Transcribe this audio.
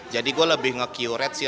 jadi gue lebih nge curate sih